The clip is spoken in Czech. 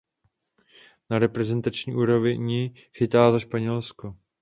Na reprezentační úrovni chytá za Španělsko.